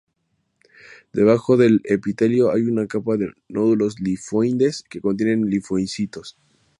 Debajo del epitelio hay una capa de nódulos linfoides que contienen linfocitos.